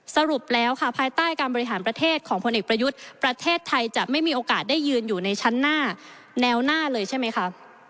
สรุปแล้วค่ะภายใต้การบริหารประเทศของพลเอกประยุทธ์ประเทศไทยจะไม่มีโอกาสได้ยืนอยู่ในชั้นหน้าแนวหน้าเลยใช่ไหมคะ